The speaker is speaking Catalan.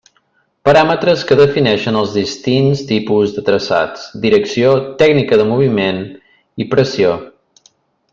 Paràmetres que definixen els distints tipus de traçats: direcció, tècnica de moviment i pressió.